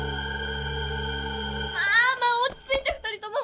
まあまあおちついて２人とも。